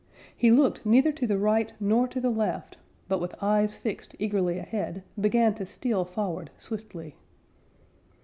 He looked neither to the right nor to the left, but with eyes fixed eagerly ahead, began to steal forward swiftly.